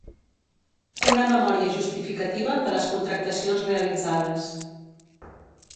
Una memòria justificativa de les contractacions realitzades.